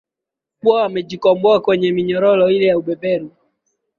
kuwa wamejikomboa kwenye minyororo ile ya ya ubeberu